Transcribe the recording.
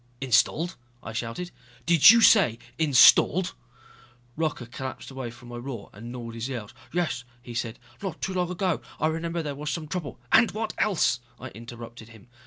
"Installed!" I shouted. "Did you say installed?" Rocca collapsed away from my roar and gnawed his nails. "Yes " he said, "not too long ago. I remember there was some trouble...." "And what else!" I interrupted him.